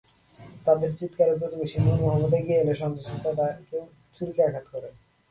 তাঁদের চিৎকারে প্রতিবেশী নুর মোহাম্মদ এগিয়ে এলে সন্ত্রাসীরা তাঁকেও ছুরিকাঘাত করে।